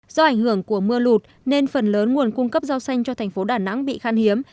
do ảnh hưởng của mưa lụt nên phần lớn nguồn cung cấp rau xanh cho thành phố đà nẵng bị khan hiếm